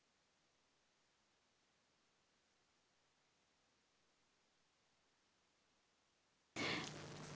dianggap sebagai institutional pasagil